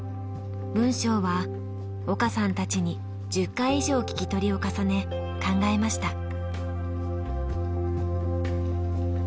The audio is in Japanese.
文章は岡さんたちに１０回以上聞き取りを重ね考えました。